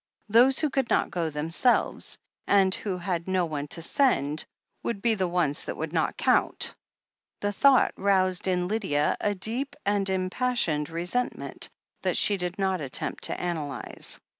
Those who could not go themselves, and who had no one to send, would be the ones that would not count. The thought roused in Lydia a deep and impassioned resentment, that she did not attempt to analyze.